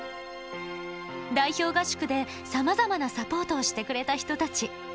代表合宿で、さまざまなサポートをしてくれた人たち。